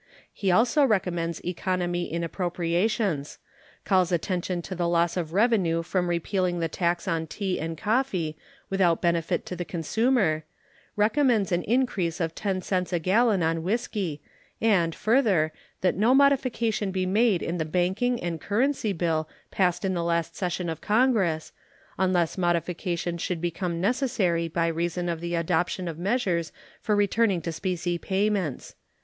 He also recommends economy in appropriations; calls attention to the loss of revenue from repealing the tax on tea and coffee, without benefit to the consumer; recommends an increase of 10 cents a gallon on whisky, and, further, that no modification be made in the banking and currency bill passed at the last session of Congress, unless modification should become necessary by reason of the adoption of measures for returning to specie payments.